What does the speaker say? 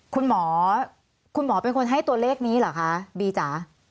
คุณหมอคุณหมอเป็นคนให้ตัวเลขนี้เหรอคะบีจ๋า